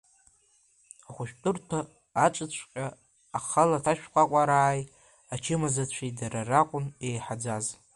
Ахәшәтәырҭа аҿыҵәҟьа ахалаҭшкәакәарааи ачымазацәеи дара ракәын еиҳаӡаз.